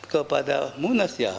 kepada munas ya